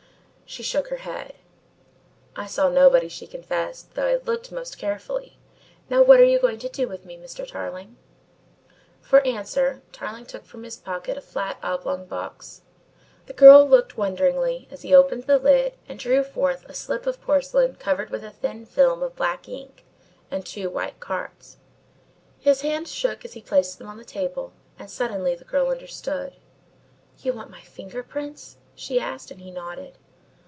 She shook her head. "I saw nobody," she confessed, "though I looked most carefully. Now what are you going to do with me, Mr. Tarling?" For answer, Tarling took from his pocket a flat oblong box. The girl looked wonderingly as he opened the lid and drew forth a slip of porcelain covered with a thin film of black ink and two white cards. His hand shook as he placed them on the table and suddenly the girl understood. "You want my finger prints?" she asked and he nodded.